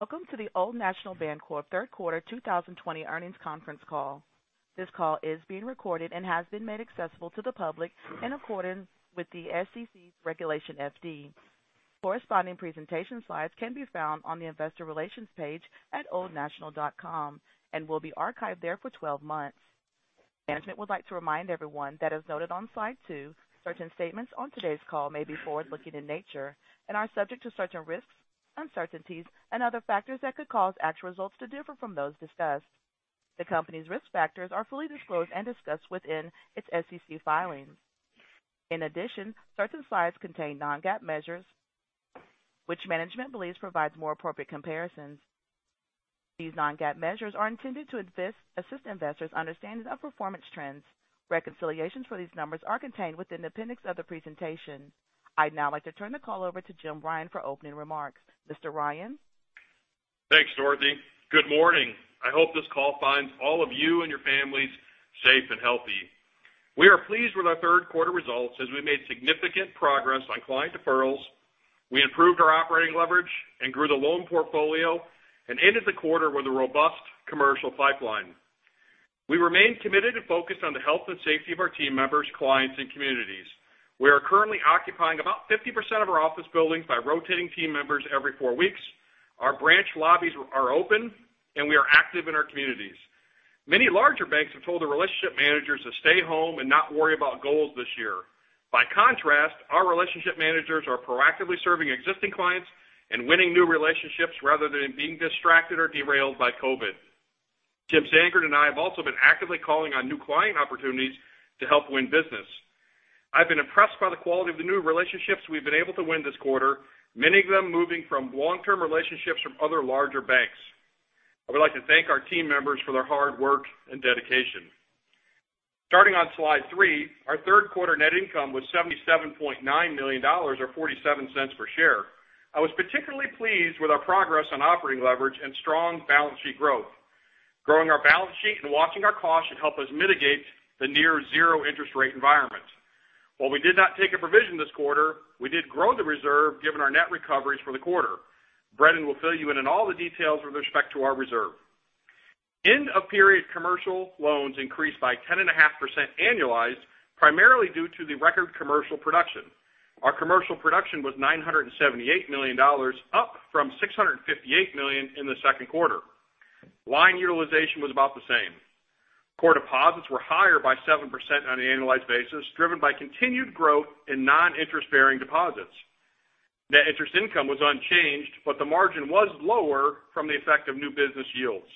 Welcome to the Old National Bancorp third quarter 2020 earnings conference call. This call is being recorded and has been made accessible to the public in accordance with the SEC's Regulation FD. Corresponding presentation slides can be found on the investor relations page at oldnational.com and will be archived there for 12 months. Management would like to remind everyone that, as noted on slide 2, certain statements on today's call may be forward-looking in nature and are subject to certain risks, uncertainties and other factors that could cause actual results to differ from those discussed. The company's risk factors are fully disclosed and discussed within its SEC filings. In addition, certain slides contain non-GAAP measures, which management believes provides more appropriate comparisons. These non-GAAP measures are intended to assist investors' understanding of performance trends. Reconciliations for these numbers are contained within the appendix of the presentation. I'd now like to turn the call over to Jim Ryan for opening remarks. Mr. Ryan? Thanks, Dorothy. Good morning. I hope this call finds all of you and your families safe and healthy. We are pleased with our third quarter results, as we made significant progress on client deferrals. We improved our operating leverage and grew the loan portfolio and ended the quarter with a robust commercial pipeline. We remain committed and focused on the health and safety of our team members, clients, and communities. We are currently occupying about 50% of our office buildings by rotating team members every four weeks. Our branch lobbies are open, and we are active in our communities. Many larger banks have told their relationship managers to stay home and not worry about goals this year. By contrast, our relationship managers are proactively serving existing clients and winning new relationships rather than being distracted or derailed by COVID. Jim Sandgren and I have also been actively calling on new client opportunities to help win business. I've been impressed by the quality of the new relationships we've been able to win this quarter, many of them moving from long-term relationships from other larger banks. I would like to thank our team members for their hard work and dedication. Starting on slide 3, our third quarter net income was $77.9 million, or $0.47 per share. I was particularly pleased with our progress on operating leverage and strong balance sheet growth. Growing our balance sheet and watching our costs should help us mitigate the near zero interest rate environment. While we did not take a provision this quarter, we did grow the reserve given our net recoveries for the quarter. Brendon will fill you in on all the details with respect to our reserve. End of period commercial loans increased by 10.5% annualized, primarily due to the record commercial production. Our commercial production was $978 million, up from $658 million in the second quarter. Line utilization was about the same. Core deposits were higher by 7% on an annualized basis, driven by continued growth in non-interest-bearing deposits. Net interest income was unchanged, the margin was lower from the effect of new business yields.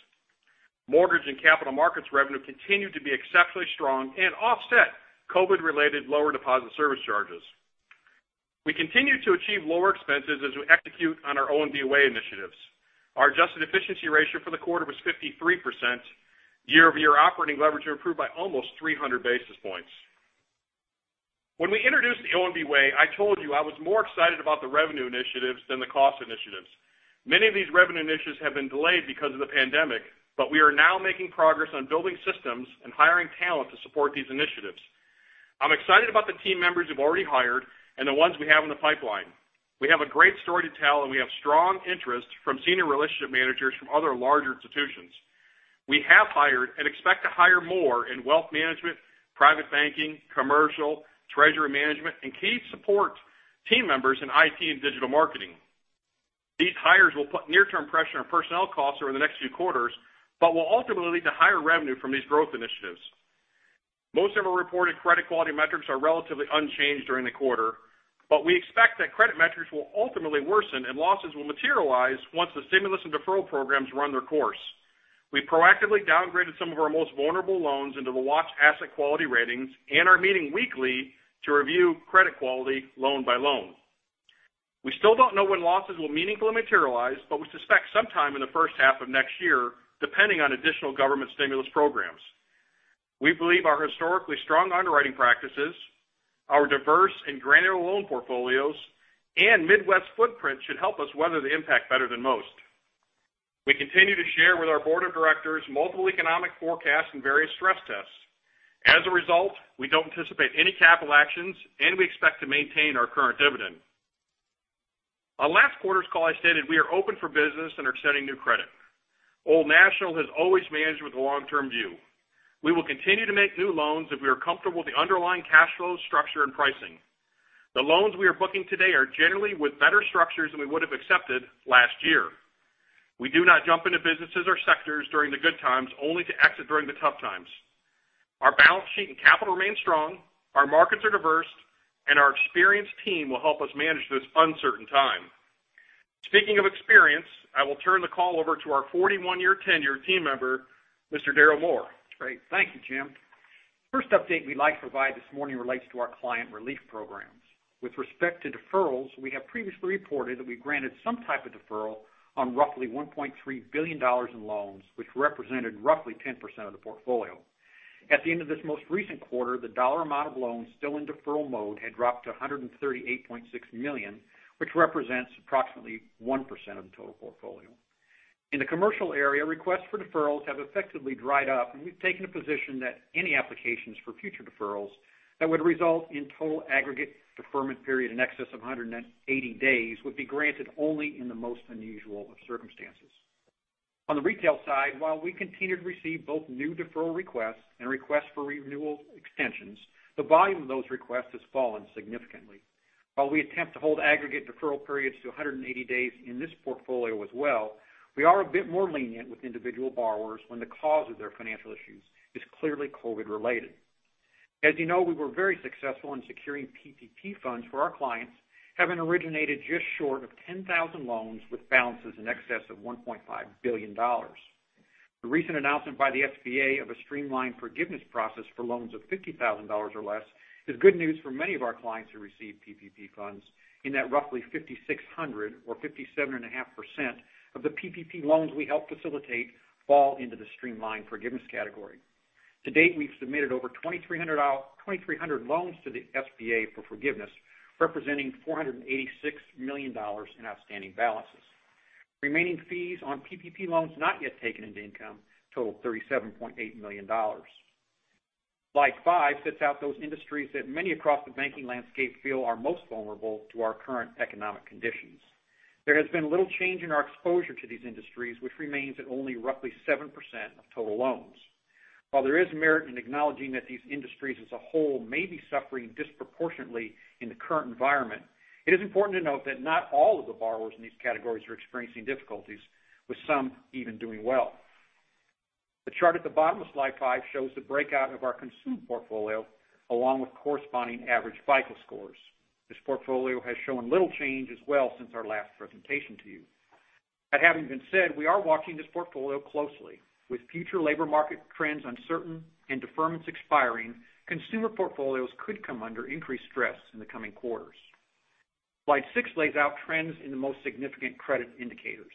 Mortgage and capital markets revenue continued to be exceptionally strong and offset COVID-related lower deposit service charges. We continue to achieve lower expenses as we execute on our ONB Way initiatives. Our adjusted efficiency ratio for the quarter was 53%. Year-over-year operating leverage improved by almost 300 basis points. When we introduced the ONB Way, I told you I was more excited about the revenue initiatives than the cost initiatives. Many of these revenue initiatives have been delayed because of the pandemic, but we are now making progress on building systems and hiring talent to support these initiatives. I'm excited about the team members we've already hired and the ones we have in the pipeline. We have a great story to tell, and we have strong interest from senior relationship managers from other larger institutions. We have hired and expect to hire more in wealth management, private banking, commercial, treasury management, and key support team members in IT and digital marketing. These hires will put near-term pressure on personnel costs over the next few quarters but will ultimately lead to higher revenue from these growth initiatives. Most of our reported credit quality metrics are relatively unchanged during the quarter, but we expect that credit metrics will ultimately worsen and losses will materialize once the stimulus and deferral programs run their course. We proactively downgraded some of our most vulnerable loans into the watch asset quality ratings and are meeting weekly to review credit quality loan by loan. We still don't know when losses will meaningfully materialize, but we suspect sometime in the first half of next year, depending on additional government stimulus programs. We believe our historically strong underwriting practices, our diverse and granular loan portfolios, and Midwest footprint should help us weather the impact better than most. We continue to share with our board of directors multiple economic forecasts and various stress tests. As a result, we don't anticipate any capital actions, and we expect to maintain our current dividend. On last quarter's call, I stated we are open for business and are extending new credit. Old National has always managed with a long-term view. We will continue to make new loans if we are comfortable with the underlying cash flow, structure, and pricing. The loans we are booking today are generally with better structures than we would have accepted last year. We do not jump into businesses or sectors during the good times, only to exit during the tough times. Our balance sheet and capital remain strong, our markets are diverse, and our experienced team will help us manage this uncertain time. Speaking of experience, I will turn the call over to our 41-year tenured team member, Mr. Daryl Moore. Great. Thank you, Jim. First update we'd like to provide this morning relates to our client relief programs. With respect to deferrals, we have previously reported that we granted some type of deferral on roughly $1.3 billion in loans, which represented roughly 10% of the portfolio. At the end of this most recent quarter, the dollar amount of loans still in deferral mode had dropped to $138.6 million, which represents approximately 1% of the total portfolio. In the commercial area, requests for deferrals have effectively dried up, and we've taken a position that any applications for future deferrals that would result in total aggregate deferment period in excess of 180 days would be granted only in the most unusual of circumstances. On the retail side, while we continue to receive both new deferral requests and requests for renewal extensions, the volume of those requests has fallen significantly. While we attempt to hold aggregate deferral periods to 180 days in this portfolio as well, we are a bit more lenient with individual borrowers when the cause of their financial issues is clearly COVID related. As you know, we were very successful in securing PPP funds for our clients, having originated just short of 10,000 loans with balances in excess of $1.5 billion. The recent announcement by the SBA of a streamlined forgiveness process for loans of $50,000 or less is good news for many of our clients who received PPP funds, in that roughly 5,600 or 57.5% of the PPP loans we helped facilitate fall into the streamlined forgiveness category. To date, we've submitted over 2,300 loans to the SBA for forgiveness, representing $486 million in outstanding balances. Remaining fees on PPP loans not yet taken into income total $37.8 million. Slide 5 sets out those industries that many across the banking landscape feel are most vulnerable to our current economic conditions. There has been little change in our exposure to these industries, which remains at only roughly 7% of total loans. While there is merit in acknowledging that these industries as a whole may be suffering disproportionately in the current environment, it is important to note that not all of the borrowers in these categories are experiencing difficulties, with some even doing well. The chart at the bottom of slide 5 shows the breakout of our consumer portfolio along with corresponding average FICO scores. This portfolio has shown little change as well since our last presentation to you. That having been said, we are watching this portfolio closely. With future labor market trends uncertain and deferments expiring, consumer portfolios could come under increased stress in the coming quarters. Slide 6 lays out trends in the most significant credit indicators.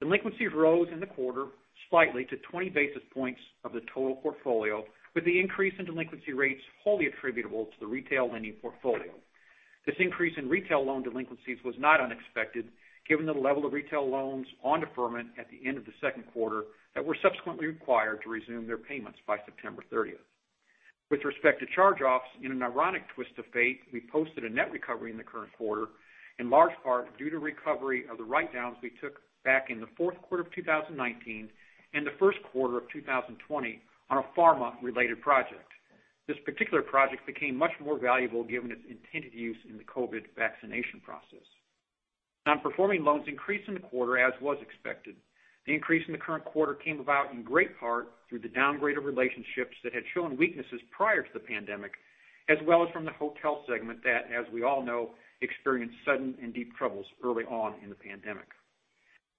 Delinquencies rose in the quarter slightly to 20 basis points of the total portfolio, with the increase in delinquency rates wholly attributable to the retail lending portfolio. This increase in retail loan delinquencies was not unexpected, given the level of retail loans on deferment at the end of the second quarter that were subsequently required to resume their payments by September 30th. With respect to charge-offs, in an ironic twist of fate, we posted a net recovery in the current quarter, in large part due to recovery of the write-downs we took back in the fourth quarter of 2019 and the first quarter of 2020 on a pharma-related project. This particular project became much more valuable given its intended use in the COVID vaccination process. Non-performing loans increased in the quarter as was expected. The increase in the current quarter came about in great part through the downgrade of relationships that had shown weaknesses prior to the pandemic, as well as from the hotel segment that, as we all know, experienced sudden and deep troubles early on in the pandemic.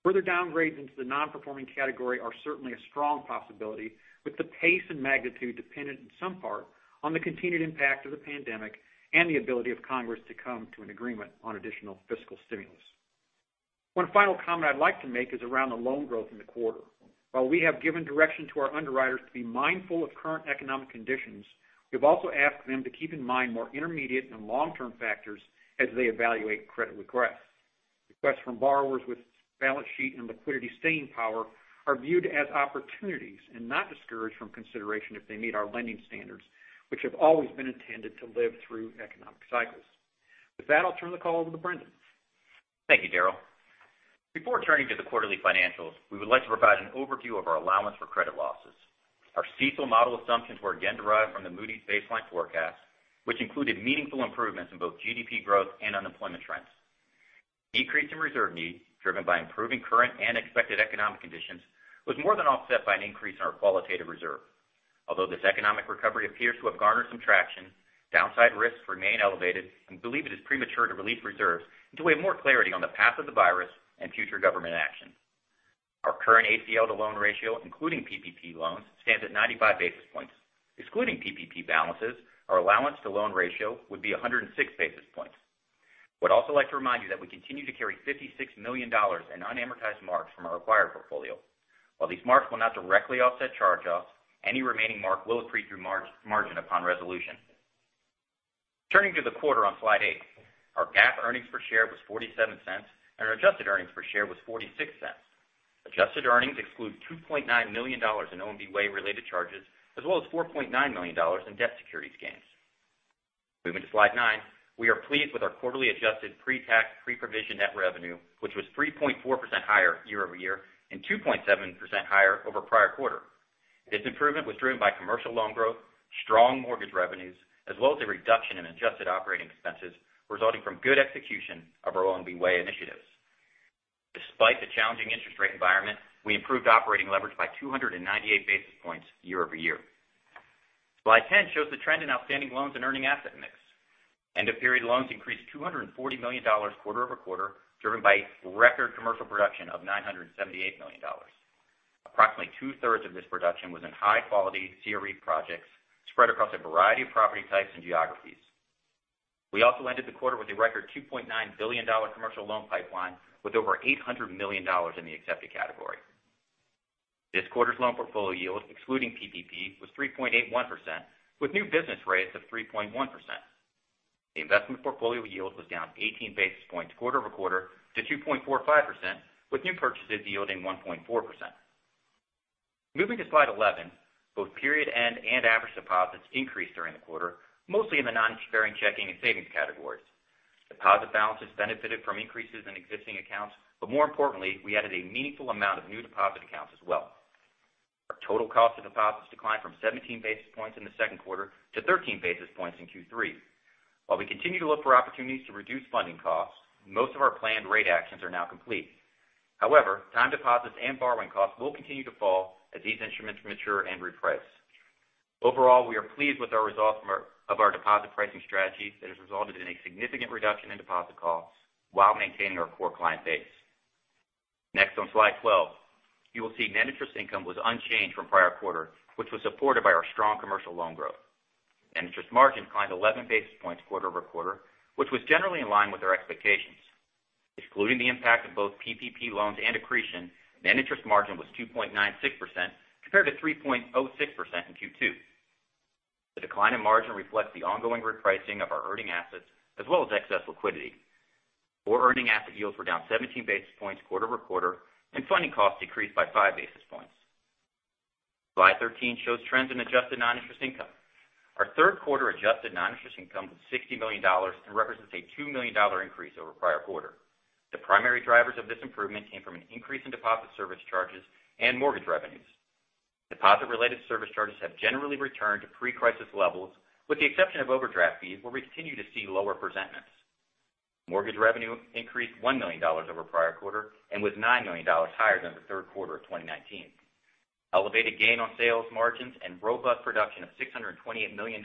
Further downgrades into the non-performing category are certainly a strong possibility, with the pace and magnitude dependent in some part on the continued impact of the pandemic and the ability of Congress to come to an agreement on additional fiscal stimulus. One final comment I'd like to make is around the loan growth in the quarter. While we have given direction to our underwriters to be mindful of current economic conditions, we've also asked them to keep in mind more intermediate and long-term factors as they evaluate credit requests. Requests from borrowers with balance sheet and liquidity staying power are viewed as opportunities and not discouraged from consideration if they meet our lending standards, which have always been intended to live through economic cycles. With that, I'll turn the call over to Brendon. Thank you, Daryl. Before turning to the quarterly financials, we would like to provide an overview of our allowance for credit losses. Our CECL model assumptions were again derived from the Moody's baseline forecast, which included meaningful improvements in both GDP growth and unemployment trends. Decrease in reserve need, driven by improving current and expected economic conditions, was more than offset by an increase in our qualitative reserve. Although this economic recovery appears to have garnered some traction, downside risks remain elevated and believe it is premature to release reserves until we have more clarity on the path of the virus and future government action. Our current ACL to loan ratio, including PPP loans, stands at 95 basis points. Excluding PPP balances, our allowance to loan ratio would be 106 basis points. Would also like to remind you that we continue to carry $56 million in unamortized marks from our acquired portfolio. While these marks will not directly offset charge-offs, any remaining mark will accrete through margin upon resolution. Turning to the quarter on slide 8. Our GAAP earnings per share was $0.47, and our adjusted earnings per share was $0.46. Adjusted earnings exclude $2.9 million in ONB Way related charges, as well as $4.9 million in debt securities gains. Moving to slide 9. We are pleased with our quarterly adjusted pre-tax, pre-provision net revenue, which was 3.4% higher year-over-year and 2.7% higher over prior quarter. This improvement was driven by commercial loan growth, strong mortgage revenues, as well as a reduction in adjusted operating expenses resulting from good execution of our ONB Way initiatives. Despite the challenging interest rate environment, we improved operating leverage by 298 basis points year-over-year. Slide 10 shows the trend in outstanding loans and earning asset mix. End of period loans increased $240 million quarter-over-quarter, driven by record commercial production of $978 million. Approximately 2/3 of this production was in high-quality CRE projects spread across a variety of property types and geographies. We also ended the quarter with a record $2.9 billion commercial loan pipeline with over $800 million in the accepted category. This quarter's loan portfolio yield, excluding PPP, was 3.81% with new business rates of 3.1%. The investment portfolio yield was down 18 basis points quarter-over-quarter to 2.45%, with new purchases yielding 1.4%. Moving to slide 11, both period end and average deposits increased during the quarter, mostly in the non-interest bearing checking and savings categories. Deposit balances benefited from increases in existing accounts, but more importantly, we added a meaningful amount of new deposit accounts as well. Our total cost of deposits declined from 17 basis points in the second quarter to 13 basis points in Q3. While we continue to look for opportunities to reduce funding costs, most of our planned rate actions are now complete. However, time deposits and borrowing costs will continue to fall as these instruments mature and reprice. Overall, we are pleased with our results of our deposit pricing strategy that has resulted in a significant reduction in deposit costs while maintaining our core client base. Next, on slide 12, you will see net interest income was unchanged from prior quarter, which was supported by our strong commercial loan growth. Net interest margin climbed 11 basis points quarter-over-quarter, which was generally in line with our expectations. Excluding the impact of both PPP loans and accretion, net interest margin was 2.96% compared to 3.06% in Q2. The decline in margin reflects the ongoing repricing of our earning assets as well as excess liquidity. Four earning asset yields were down 17 basis points quarter-over-quarter, and funding costs decreased by five basis points. Slide 13 shows trends in adjusted non-interest income. Our third quarter adjusted non-interest income was $60 million and represents a $2 million increase over prior quarter. The primary drivers of this improvement came from an increase in deposit service charges and mortgage revenues. Deposit-related service charges have generally returned to pre-crisis levels, with the exception of overdraft fees, where we continue to see lower presentments. Mortgage revenue increased $1 million over prior quarter and was $9 million higher than the third quarter of 2019. Elevated gain on sales margins and robust production of $628 million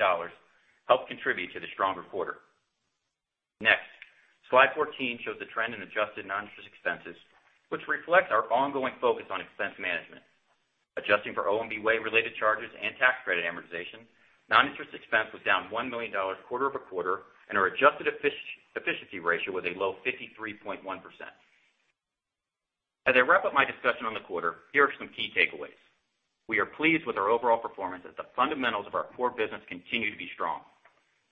helped contribute to the stronger quarter. Slide 14 shows the trend in adjusted non-interest expenses, which reflects our ongoing focus on expense management. Adjusting for ONB Way-related charges and tax credit amortization, non-interest expense was down $1 million quarter-over-quarter, and our adjusted efficiency ratio was a low 53.1%. As I wrap up my discussion on the quarter, here are some key takeaways. We are pleased with our overall performance as the fundamentals of our core business continue to be strong.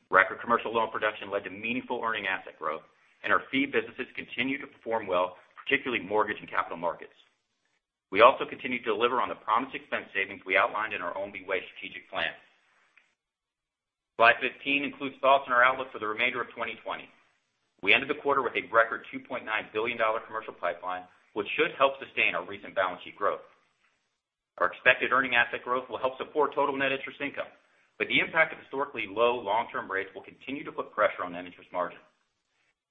Record commercial loan production led to meaningful earning asset growth, and our fee businesses continue to perform well, particularly mortgage and capital markets. We also continue to deliver on the promised expense savings we outlined in our ONB Way strategic plan. Slide 15 includes thoughts on our outlook for the remainder of 2020. We ended the quarter with a record $2.9 billion commercial pipeline, which should help sustain our recent balance sheet growth. Our expected earning asset growth will help support total net interest income, but the impact of historically low long-term rates will continue to put pressure on net interest margin.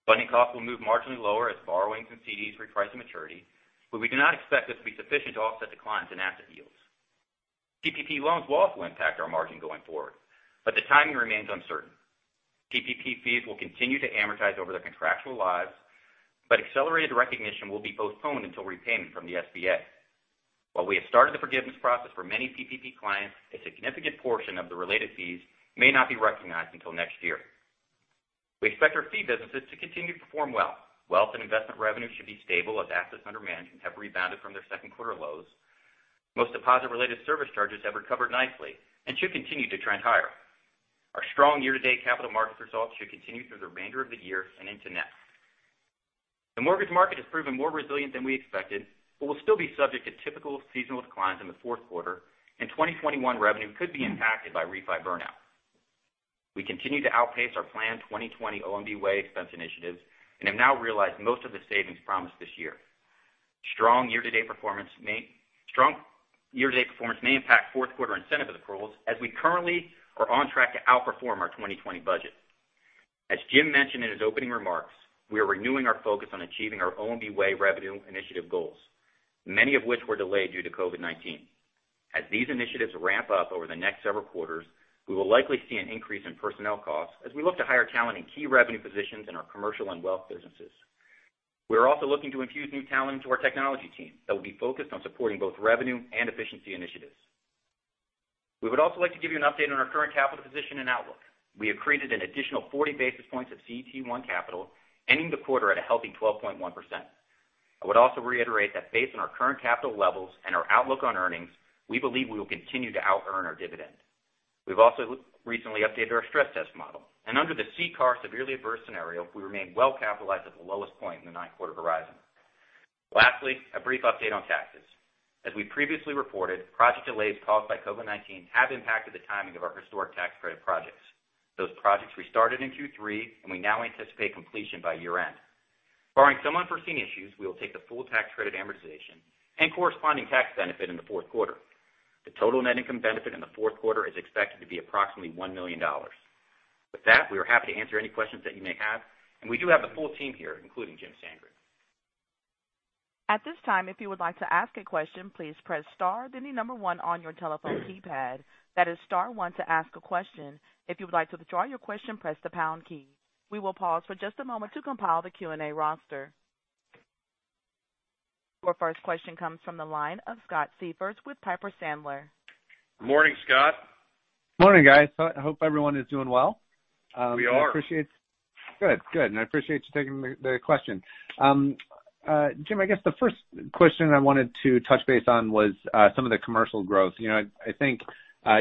Funding costs will move marginally lower as borrowings and CDs reprice at maturity, but we do not expect this to be sufficient to offset declines in asset yields. PPP loans will also impact our margin going forward, but the timing remains uncertain. PPP fees will continue to amortize over their contractual lives, but accelerated recognition will be postponed until repayment from the SBA. While we have started the forgiveness process for many PPP clients, a significant portion of the related fees may not be recognized until next year. We expect our fee businesses to continue to perform well. Wealth and investment revenue should be stable as assets under management have rebounded from their second quarter lows. Most deposit-related service charges have recovered nicely and should continue to trend higher. Our strong year-to-date capital markets results should continue through the remainder of the year and into next. The mortgage market has proven more resilient than we expected but will still be subject to typical seasonal declines in the fourth quarter, and 2021 revenue could be impacted by refi burnout. We continue to outpace our planned 2020 ONB Way expense initiatives and have now realized most of the savings promised this year. Strong year-to-date performance may impact fourth quarter incentive approvals as we currently are on track to outperform our 2020 budget. As Jim mentioned in his opening remarks, we are renewing our focus on achieving our ONB Way revenue initiative goals, many of which were delayed due to COVID-19. As these initiatives ramp up over the next several quarters, we will likely see an increase in personnel costs as we look to hire talent in key revenue positions in our commercial and wealth businesses. We are also looking to infuse new talent into our technology team that will be focused on supporting both revenue and efficiency initiatives. We would also like to give you an update on our current capital position and outlook. We have created an additional 40 basis points of CET1 capital, ending the quarter at a healthy 12.1%. I would also reiterate that based on our current capital levels and our outlook on earnings, we believe we will continue to out earn our dividend. We've also recently updated our stress test model, and under the CCAR severely adverse scenario, we remain well capitalized at the lowest point in the ninth quarter horizon. Lastly, a brief update on taxes. As we previously reported, project delays caused by COVID-19 have impacted the timing of our historic tax credit projects. Those projects restarted in Q3, and we now anticipate completion by year-end. Barring some unforeseen issues, we will take the full tax credit amortization and corresponding tax benefit in the fourth quarter. The total net income benefit in the fourth quarter is expected to be approximately $1 million. With that, we are happy to answer any questions that you may have, and we do have the full team here, including Jim Sandgren. At this time, if you would like to ask a question, please press star, then the number one on your telephone keypad. That is star one to ask a question. If you would like to withdraw your question, press the pound key. We will pause for just a moment to compile the Q&A roster. Your first question comes from the line of Scott Siefers with Piper Sandler. Morning, Scott. Morning, guys. Hope everyone is doing well. We are. Good. I appreciate you taking the question. Jim, I guess the first question I wanted to touch base on was some of the commercial growth. I think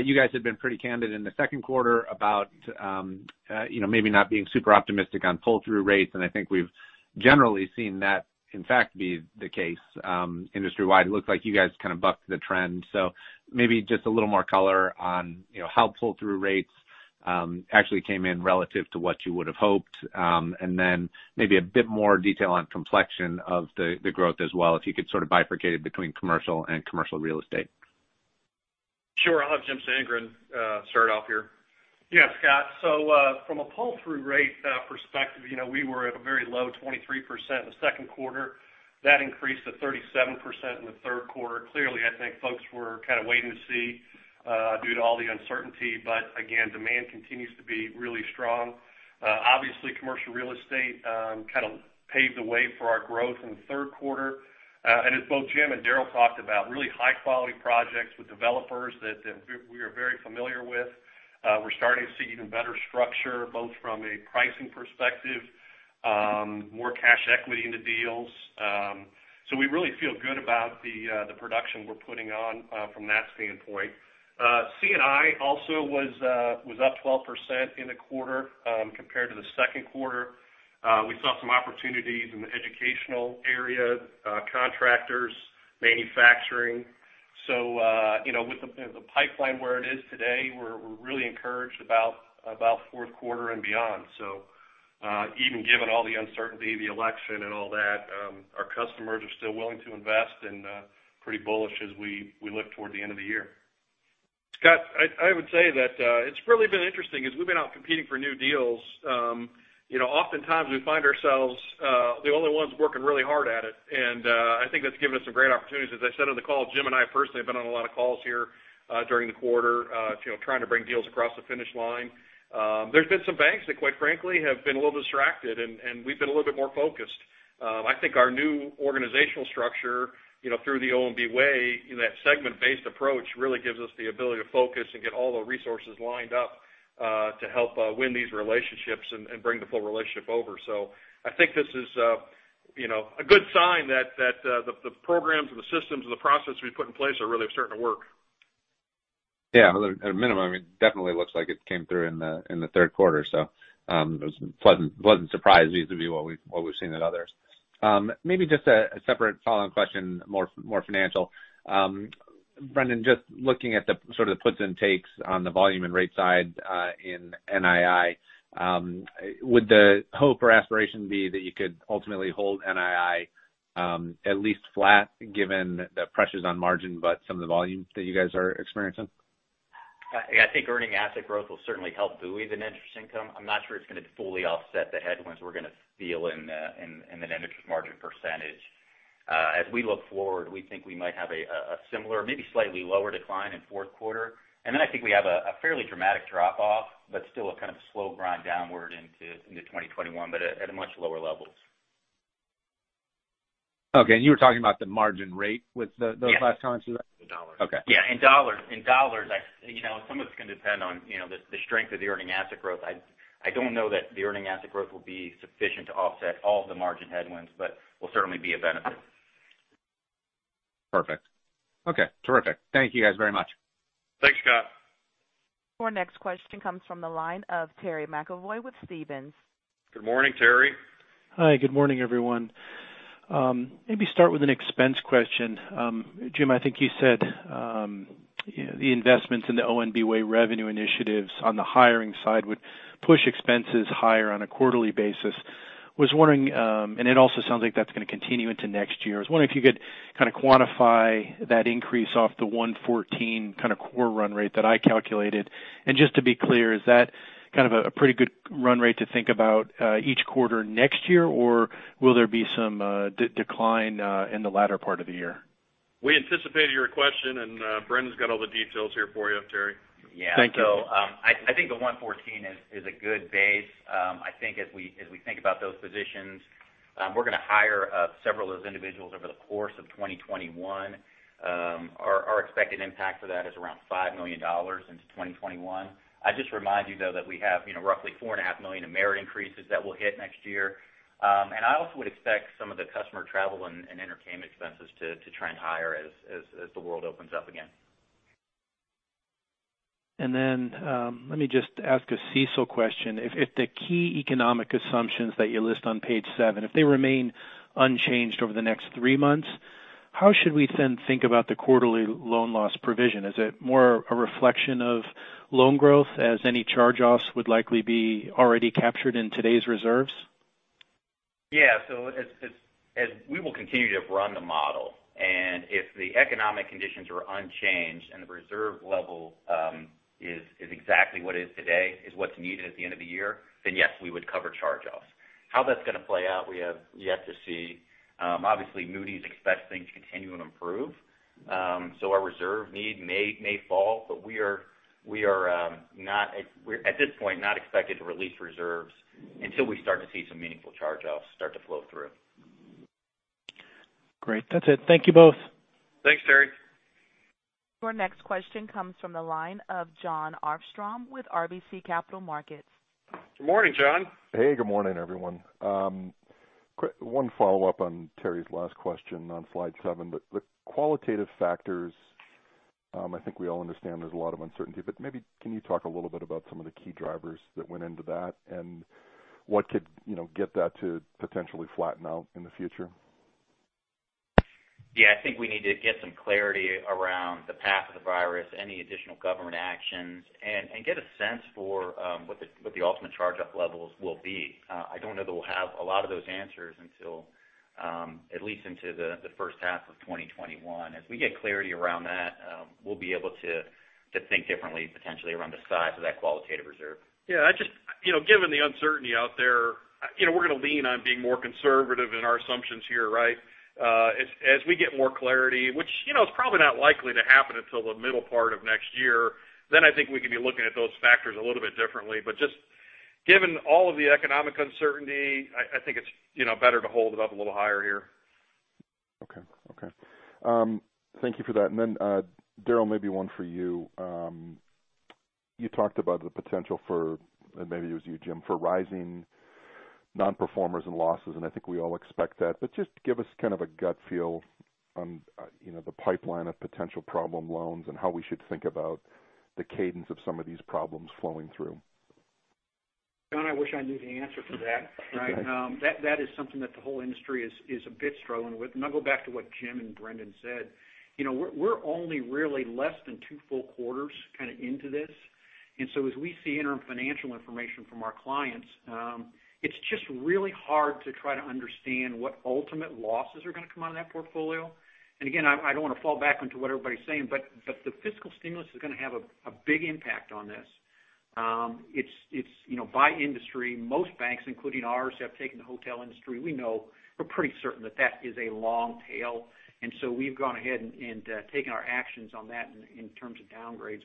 you guys had been pretty candid in the second quarter about maybe not being super optimistic on pull-through rates, and I think we've generally seen that, in fact, be the case industry-wide. It looks like you guys kind of bucked the trend. Maybe just a little more color on how pull-through rates actually came in relative to what you would've hoped. Then maybe a bit more detail on complexion of the growth as well, if you could sort of bifurcate it between commercial and commercial real estate. Sure. I'll have Jim Sandgren start off here. Yeah, Scott. From a pull-through rate perspective, we were at a very low 23% in the second quarter. That increased to 37% in the third quarter. Clearly, I think folks were kind of waiting to see due to all the uncertainty, but again, demand continues to be really strong. Obviously, commercial real estate kind of paved the way for our growth in the third quarter. As both Jim and Daryl talked about, really high-quality projects with developers that we are very familiar with. We're starting to see even better structure, both from a pricing perspective, more cash equity in the deals. We really feel good about the production we're putting on from that standpoint. C&I also was up 12% in the quarter compared to the second quarter. We saw some opportunities in the educational area, contractors, manufacturing. With the pipeline where it is today, we're really encouraged about fourth quarter and beyond. Even given all the uncertainty, the election and all that, our customers are still willing to invest and pretty bullish as we look toward the end of the year. Scott, I would say that it's really been interesting, as we've been out competing for new deals. Oftentimes we find ourselves the only ones working really hard at it, and I think that's given us some great opportunities. As I said on the call, Jim and I personally have been on a lot of calls here during the quarter trying to bring deals across the finish line. There's been some banks that quite frankly, have been a little distracted, and we've been a little bit more focused. I think our new organizational structure through The ONB Way, in that segment-based approach, really gives us the ability to focus and get all the resources lined up to help win these relationships and bring the full relationship over. I think this is a good sign that the programs and the systems and the processes we've put in place are really starting to work. Yeah. At a minimum, it definitely looks like it came through in the third quarter. It was a pleasant surprise vis-a-vis what we've seen at others. Maybe just a separate follow-on question, more financial. Brendon, just looking at the sort of the puts and takes on the volume and rate side in NII. Would the hope or aspiration be that you could ultimately hold NII at least flat given the pressures on margin, but some of the volume that you guys are experiencing? I think earning asset growth will certainly help buoy the net interest income. I'm not sure it's going to fully offset the headwinds we're going to feel in the net interest margin percentage. As we look forward, we think we might have a similar, maybe slightly lower decline in fourth quarter. Then I think we have a fairly dramatic drop-off, but still a kind of slow grind downward into 2021, but at much lower levels. Okay. You were talking about the margin rate with those last comments you. Yes. The dollar. Okay. Yeah, in dollars. Some of it's going to depend on the strength of the earning asset growth. I don't know that the earning asset growth will be sufficient to offset all the margin headwinds, but will certainly be a benefit. Perfect. Okay, terrific. Thank you guys very much. Thanks, Scott. Your next question comes from the line of Terry McEvoy with Stephens. Good morning, Terry. Hi. Good morning, everyone. Maybe start with an expense question. Jim, I think you said the investments in The ONB Way revenue initiatives on the hiring side would push expenses higher on a quarterly basis. It also sounds like that's going to continue into next year. I was wondering if you could kind of quantify that increase off the $114 kind of core run rate that I calculated. Just to be clear, is that kind of a pretty good run rate to think about each quarter next year, or will there be some decline in the latter part of the year? We anticipated your question, and Brendon's got all the details here for you, Terry. Thank you. I think the 114 is a good base. I think as we think about those positions, we're going to hire several of those individuals over the course of 2021. Our expected impact for that is around $5 million into 2021. I'd just remind you, though, that we have roughly $4 and a half million in merit increases that will hit next year. I also would expect some of the customer travel and entertainment expenses to trend higher as the world opens up again. Let me just ask a CECL question. If the key economic assumptions that you list on page 7, if they remain unchanged over the next three months, how should we then think about the quarterly loan loss provision? Is it more a reflection of loan growth as any charge-offs would likely be already captured in today's reserves? Yeah. As we will continue to run the model, and if the economic conditions are unchanged and the reserve level is exactly what is today is what's needed at the end of the year, then yes, we would cover charge-offs. How that's going to play out, we have yet to see. Obviously, Moody's expects things to continue and improve. Our reserve need may fall, but we are, at this point, not expected to release reserves until we start to see some meaningful charge-offs start to flow through. Great. That's it. Thank you both. Thanks, Terry. Your next question comes from the line of Jon Arfstrom with RBC Capital Markets. Good morning, Jon. Hey, good morning, everyone. One follow-up on Terry's last question on slide 7. The qualitative factors, I think we all understand there's a lot of uncertainty, but maybe can you talk a little bit about some of the key drivers that went into that and what could get that to potentially flatten out in the future? Yeah. I think we need to get some clarity around the path of the virus, any additional government actions, and get a sense for what the ultimate charge-off levels will be. I don't know that we'll have a lot of those answers until at least into the first half of 2021. As we get clarity around that, we'll be able to think differently potentially around the size of that qualitative reserve. Yeah. Given the uncertainty out there, we're going to lean on being more conservative in our assumptions here. As we get more clarity, which is probably not likely to happen until the middle part of next year, then I think we can be looking at those factors a little bit differently. Just given all of the economic uncertainty, I think it's better to hold it up a little higher here. Okay. Thank you for that. Daryl, maybe one for you. You talked about the potential for, and maybe it was you, Jim, for rising non-performers and losses, and I think we all expect that, but just give us kind of a gut feel on the pipeline of potential problem loans and how we should think about the cadence of some of these problems flowing through. Jon, I wish I knew the answer to that. Okay. That is something that the whole industry is a bit struggling with. I'll go back to what Jim and Brendon said. We're only really less than two full quarters kind of into this. As we see interim financial information from our clients, it's just really hard to try to understand what ultimate losses are going to come out of that portfolio. Again, I don't want to fall back onto what everybody's saying, but the fiscal stimulus is going to have a big impact on this. By industry, most banks, including ours, have taken the hotel industry. We know, we're pretty certain that that is a long tail. So we've gone ahead and taken our actions on that in terms of downgrades.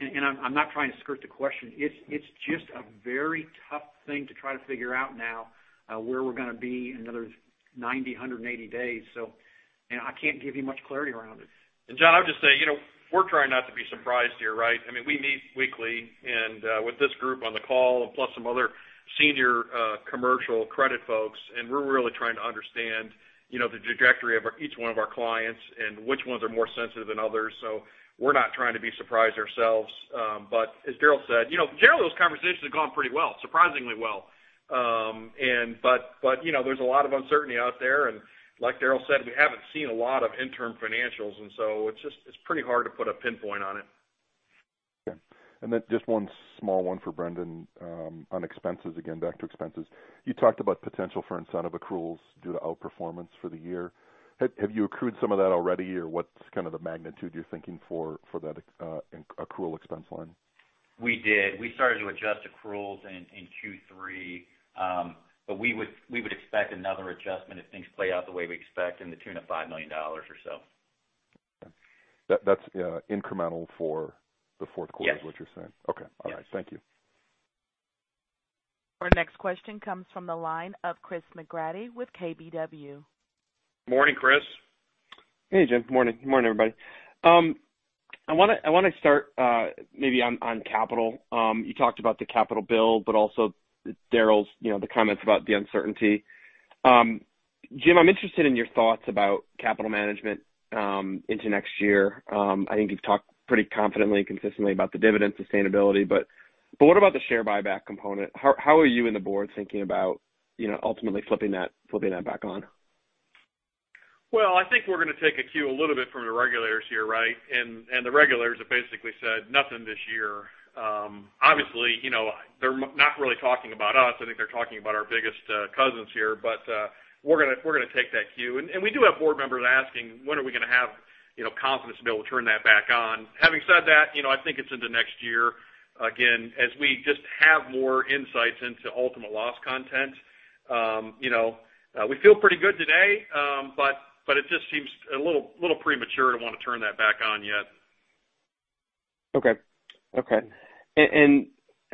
I'm not trying to skirt the question. It's just a very tough thing to try to figure out now where we're going to be another 90, 180 days. I can't give you much clarity around it. Jon, I'll just say, we're trying not to be surprised here. We meet weekly and with this group on the call and plus some other senior commercial credit folks, and we're really trying to understand the trajectory of each one of our clients and which ones are more sensitive than others. We're not trying to be surprised ourselves. As Daryl said, generally those conversations have gone pretty well, surprisingly well. There's a lot of uncertainty out there, and like Daryl said, we haven't seen a lot of interim financials, and so it's pretty hard to put a pinpoint on it. Okay. Then just one small one for Brendon, on expenses, again, back to expenses. You talked about potential for incentive accruals due to outperformance for the year. Have you accrued some of that already, or what's kind of the magnitude you're thinking for that accrual expense line? We did. We started to adjust accruals in Q3. We would expect another adjustment if things play out the way we expect in the tune of $5 million or so. Okay. That's incremental for the fourth quarter. Yes is what you're saying? Yes. Okay. All right. Thank you. Our next question comes from the line of Chris McGratty with KBW. Morning, Chris. Hey, Jim. Morning. Morning, everybody. I want to start maybe on capital. You talked about the capital bill, but also Daryl's comments about the uncertainty. Jim, I'm interested in your thoughts about capital management into next year. I think you've talked pretty confidently and consistently about the dividend sustainability, but what about the share buyback component? How are you and the board thinking about ultimately flipping that back on? I think we're going to take a cue a little bit from the regulators here. The regulators have basically said nothing this year. Obviously, they're not really talking about us. I think they're talking about our biggest cousins here. We're going to take that cue. We do have board members asking, when are we going to have confidence to be able to turn that back on? Having said that, I think it's into next year, again, as we just have more insights into ultimate loss content. We feel pretty good today, but it just seems a little premature to want to turn that back on yet. Okay.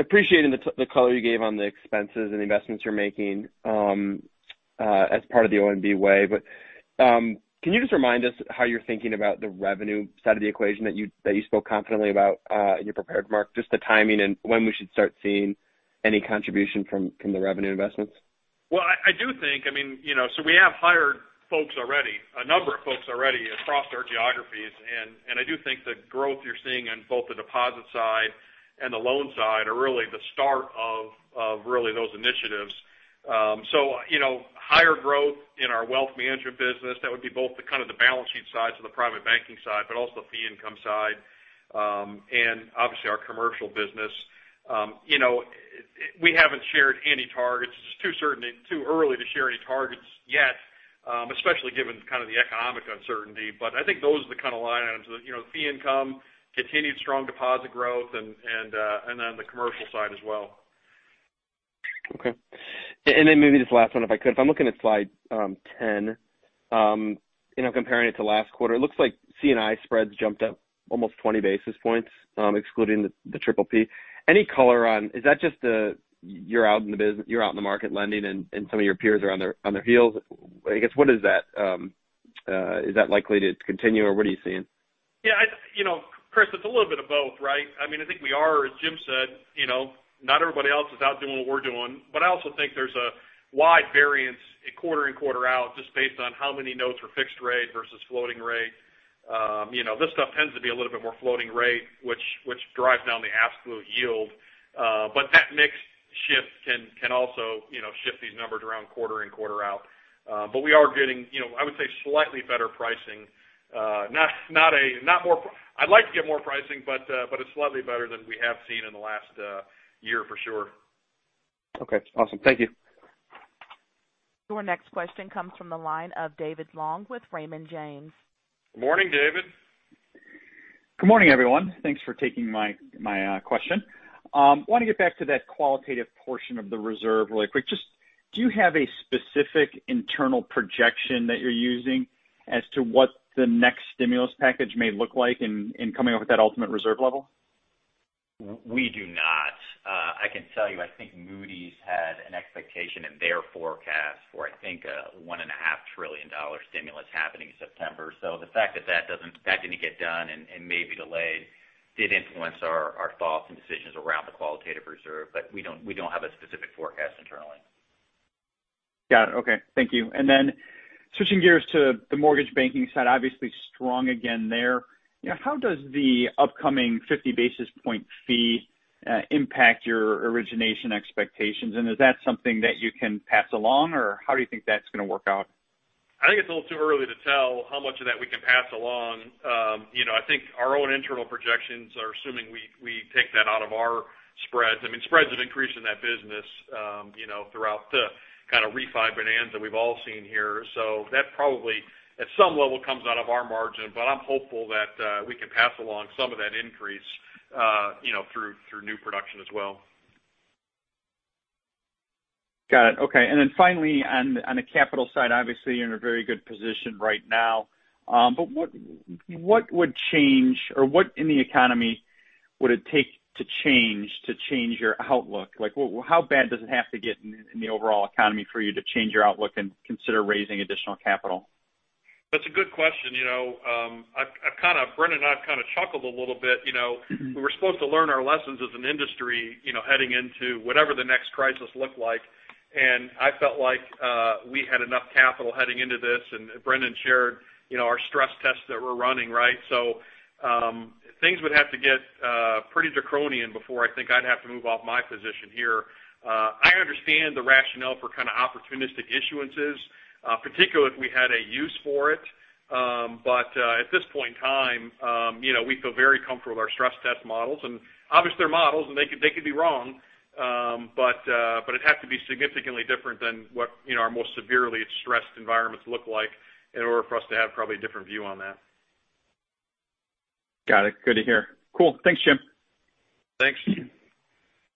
Appreciating the color you gave on the expenses and the investments you're making as part of the ONB Way, can you just remind us how you're thinking about the revenue side of the equation that you spoke confidently about in your prepared remarks, just the timing and when we should start seeing any contribution from the revenue investments? We have hired folks already, a number of folks already across our geographies. I do think the growth you're seeing in both the deposit side and the loan side are really the start of really those initiatives. Higher growth in our wealth management business, that would be both the kind of the balance sheet sides of the private banking side, but also fee income side. Obviously our commercial business. We haven't shared any targets. It's too early to share any targets yet, especially given kind of the economic uncertainty. I think those are the kind of line items, the fee income, continued strong deposit growth and then the commercial side as well. Okay. Maybe just last one, if I could. If I'm looking at slide 10, comparing it to last quarter, it looks like C&I spreads jumped up almost 20 basis points, excluding the PPP. Any color on, is that just you're out in the market lending and some of your peers are on their heels? I guess, what is that? Is that likely to continue, or what are you seeing? Yeah. Chris, it's a little bit of both, right? I think we are, as Jim said, not everybody else is out doing what we're doing. But I also think there's a wide variance quarter in, quarter out, just based on how many notes were fixed rate versus floating rate. This stuff tends to be a little bit more floating rate, which drives down the absolute yield. But that mix shift can also shift these numbers around quarter in, quarter out. But we are getting, I would say, slightly better pricing. I'd like to get more pricing, but it's slightly better than we have seen in the last year, for sure. Okay. Awesome. Thank you. Your next question comes from the line of David Long with Raymond James. Morning, David. Good morning, everyone. Thanks for taking my question. I want to get back to that qualitative portion of the reserve really quick. Just do you have a specific internal projection that you're using as to what the next stimulus package may look like in coming up with that ultimate reserve level? We do not. I can tell you, I think Moody's had an expectation in their forecast for, I think, a $1.5 trillion stimulus happening September. The fact that didn't get done and may be delayed did influence our thoughts and decisions around the qualitative reserve. We don't have a specific forecast internally. Got it. Okay. Thank you. Switching gears to the mortgage banking side, obviously strong again there. How does the upcoming 50 basis point fee impact your origination expectations, and is that something that you can pass along, or how do you think that's going to work out? I think it's a little too early to tell how much of that we can pass along. I think our own internal projections are assuming we take that out of our spreads. Spreads have increased in that business throughout the kind of refi bonanza we've all seen here. That probably, at some level, comes out of our margin, but I'm hopeful that we can pass along some of that increase through new production as well. Got it. Okay. Then finally, on the capital side, obviously you're in a very good position right now. What would change, or what in the economy would it take to change, to change your outlook? Like how bad does it have to get in the overall economy for you to change your outlook and consider raising additional capital? That's a good question. Brendon and I kind of chuckled a little bit. We were supposed to learn our lessons as an industry heading into whatever the next crisis looked like. I felt like we had enough capital heading into this, and Brendon shared our stress tests that we're running, right? Things would have to get pretty draconian before I think I'd have to move off my position here. I understand the rationale for kind of opportunistic issuances, particularly if we had a use for it. At this point in time, we feel very comfortable with our stress test models. Obviously they're models and they could be wrong. It'd have to be significantly different than what our most severely stressed environments look like in order for us to have probably a different view on that. Got it. Good to hear. Cool. Thanks, Jim. Thanks.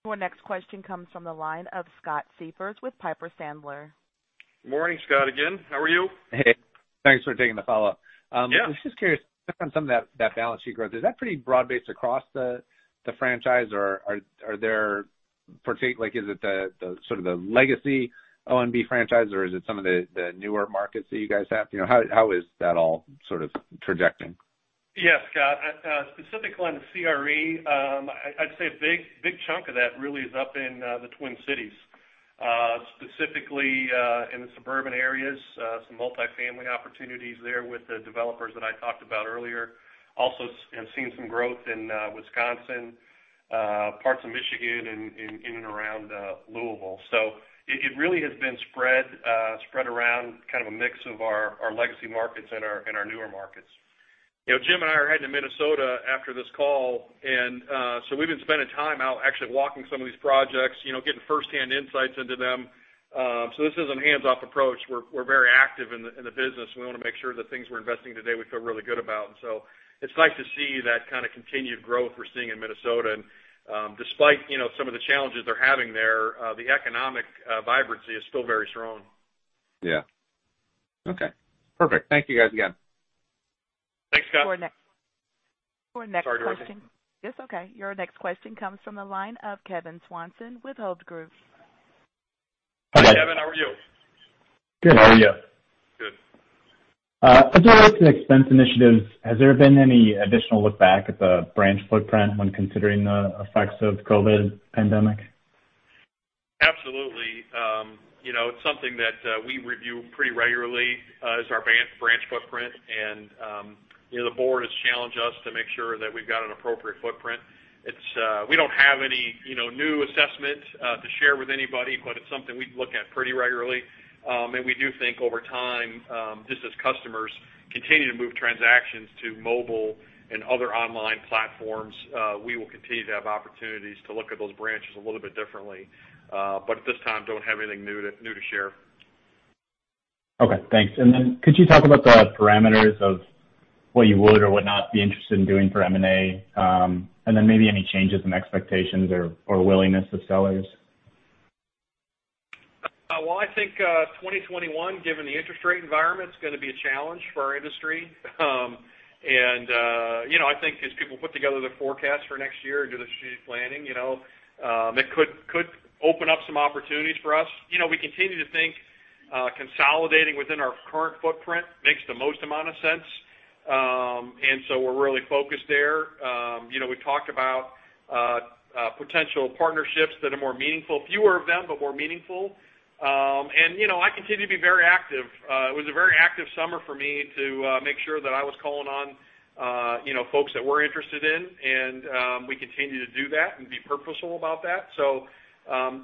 Your next question comes from the line of Scott Siefers with Piper Sandler. Morning, Scott, again. How are you? Hey. Thanks for taking the follow-up. Yeah. I was just curious on some of that balance sheet growth. Is that pretty broad-based across the franchise, or are there like is it the sort of the legacy ONB franchise, or is it some of the newer markets that you guys have? How is that all sort of trajecting? Yes, Scott. Specifically on the CRE, I'd say a big chunk of that really is up in the Twin Cities. Specifically, in the suburban areas, some multi-family opportunities there with the developers that I talked about earlier. Also have seen some growth in Wisconsin, parts of Michigan, and in and around Louisville. It really has been spread around, kind of a mix of our legacy markets and our newer markets. Jim and I are heading to Minnesota after this call. We've been spending time out actually walking some of these projects, getting firsthand insights into them. This isn't a hands-off approach. We're very active in the business, and we want to make sure the things we're investing in today, we feel really good about. It's nice to see that kind of continued growth we're seeing in Minnesota. Despite some of the challenges they're having there, the economic vibrancy is still very strong. Yeah. Okay, perfect. Thank you guys again. Thanks, Scott. Your next- Sorry to raise it. Yes, okay. Your next question comes from the line of Kevin Swanson with Hovde Group. Hi, Kevin. How are you? Good. How are you? Good. Regarding the expense initiatives, has there been any additional look back at the branch footprint when considering the effects of COVID pandemic? Absolutely. It's something that we review pretty regularly, is our branch footprint. The board has challenged us to make sure that we've got an appropriate footprint. We don't have any new assessment to share with anybody, but it's something we look at pretty regularly. We do think over time, just as customers continue to move transactions to mobile and other online platforms, we will continue to have opportunities to look at those branches a little bit differently. But at this time, don't have anything new to share. Okay, thanks. Could you talk about the parameters of what you would or would not be interested in doing for M&A? Maybe any changes in expectations or willingness of sellers? Well, I think 2021, given the interest rate environment, is going to be a challenge for our industry. I think as people put together their forecast for next year and do the strategic planning, it could open up some opportunities for us. We continue to think consolidating within our current footprint makes the most amount of sense. We're really focused there. We talked about potential partnerships that are more meaningful, fewer of them, but more meaningful. I continue to be very active. It was a very active summer for me to make sure that I was calling on folks that we're interested in. We continue to do that and be purposeful about that.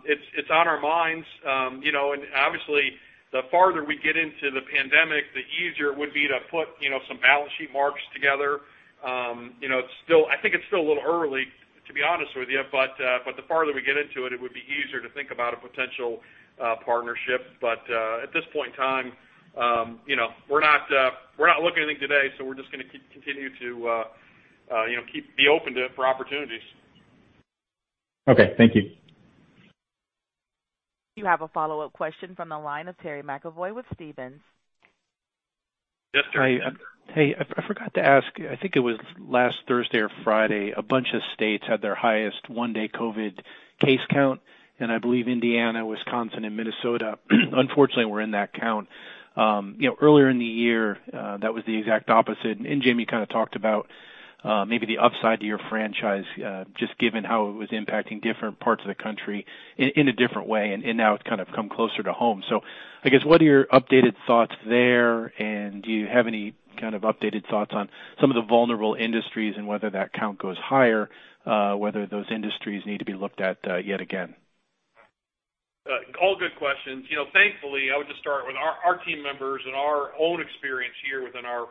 It's on our minds. Obviously, the farther we get into the pandemic, the easier it would be to put some balance sheet marks together. I think it's still a little early, to be honest with you, but the farther we get into it would be easier to think about a potential partnership. At this point in time, we're not looking at anything today, so we're just going to continue to be open to it for opportunities. Okay. Thank you. You have a follow-up question from the line of Terry McEvoy with Stephens. Yes, Terry. Hey, I forgot to ask. I think it was last Thursday or Friday, a bunch of states had their highest one-day COVID case count. I believe Indiana, Wisconsin, and Minnesota unfortunately were in that count. Earlier in the year, that was the exact opposite. Jim kind of talked about maybe the upside to your franchise, just given how it was impacting different parts of the country in a different way, and now it's kind of come closer to home. I guess, what are your updated thoughts there, and do you have any kind of updated thoughts on some of the vulnerable industries and whether that count goes higher, whether those industries need to be looked at yet again? All good questions. Thankfully, I would just start with our team members and our own experience here within our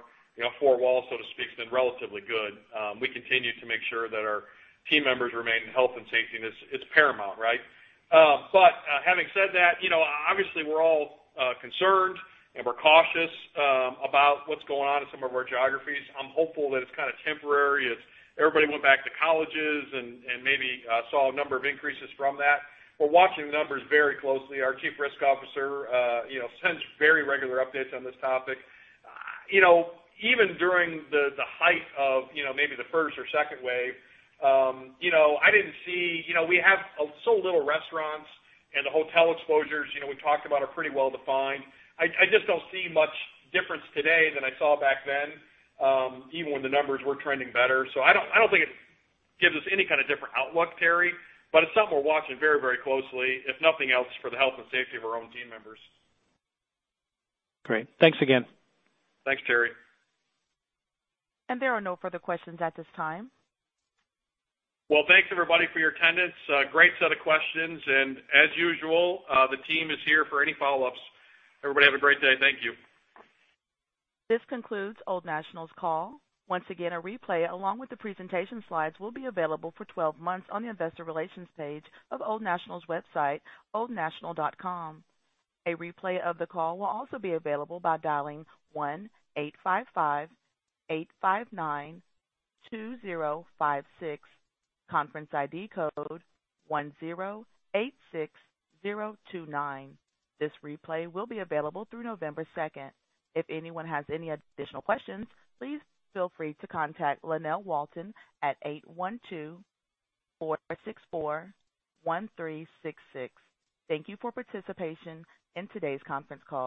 four walls, so to speak, has been relatively good. We continue to make sure that our team members remain in health and safety, and it's paramount, right? Having said that, obviously, we're all concerned, and we're cautious about what's going on in some of our geographies. I'm hopeful that it's kind of temporary as everybody went back to colleges and maybe saw a number of increases from that. We're watching the numbers very closely. Our chief risk officer sends very regular updates on this topic. Even during the height of maybe the first or second wave, we have so little restaurants, and the hotel exposures we talked about are pretty well-defined. I just don't see much difference today than I saw back then, even when the numbers were trending better. I don't think it gives us any kind of different outlook, Terry, but it's something we're watching very closely, if nothing else, for the health and safety of our own team members. Great. Thanks again. Thanks, Terry. There are no further questions at this time. Well, thanks everybody for your attendance. Great set of questions, and as usual, the team is here for any follow-ups. Everybody have a great day. Thank you. This concludes Old National's call. Once again, a replay along with the presentation slides will be available for 12 months on the investor relations page of Old National's website, oldnational.com. A replay of the call will also be available by dialing 1-855-859-2056, conference ID code 1086029. This replay will be available through November 2nd. If anyone has any additional questions, please feel free to contact Lynell Walton at 812-464-1366. Thank you for participation in today's conference call.